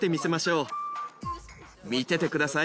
見ててください。